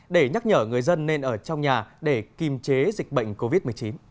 để nhắc nhở người dân nên ở trong nhà để kiềm chế dịch bệnh covid một mươi chín